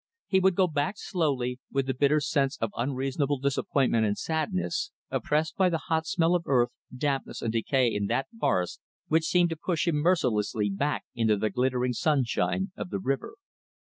He would go back slowly, with a bitter sense of unreasonable disappointment and sadness; oppressed by the hot smell of earth, dampness, and decay in that forest which seemed to push him mercilessly back into the glittering sunshine of the river.